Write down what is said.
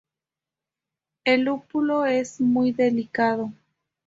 El lúpulo es muy delicado.